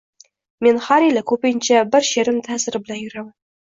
– Men har yili, ko‘pincha bir she’rim ta’siri bilan yuraman.